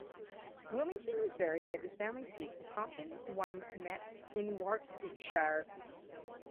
Wilmington was buried at his family seat of Compton Wynyates in Warwickshire.